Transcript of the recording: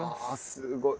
すごい。